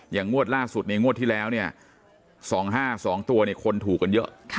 อย่างงวดล่าสุดในงวดที่แล้วเนี้ยสองห้าสองตัวเนี้ยคนถูกกันเยอะ